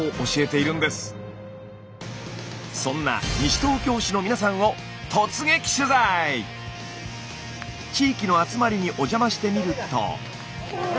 そんな西東京市の皆さんを地域の集まりにお邪魔してみると。